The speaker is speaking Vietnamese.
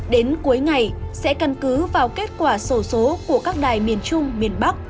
đường dây số đề này sẽ cân cứ vào kết quả sổ số của các đài miền trung miền bắc